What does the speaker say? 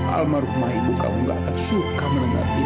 almarhumah ibu kamu gak akan suka mendengar ini da